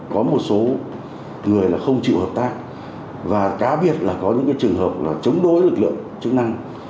có một số người là không chịu hợp tác và cá biệt là có những trường hợp là chống đối lực lượng chức năng